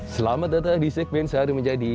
selamat datang di segmen sehari menjadi